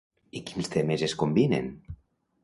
I quins temes es combinen?